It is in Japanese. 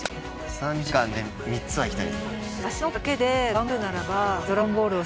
３時間で３つは行きたい。